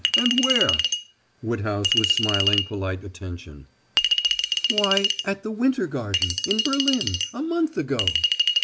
And where?" Woodhouse was smiling polite attention. "Why, at the Winter Garden, in Berlin a month ago!"